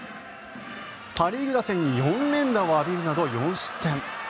パ・リーグ打線に４連打を浴びるなど４失点。